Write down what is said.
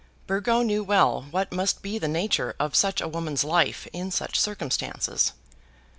Burgo knew well what must be the nature of such a woman's life in such circumstances.